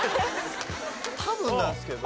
多分なんですけど。